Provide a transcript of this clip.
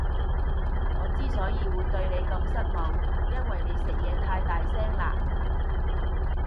我之所以會對你咁失望，因為你食嘢太大聲喇